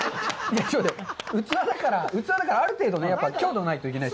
器だから、ある程度ね、強度がないといけない。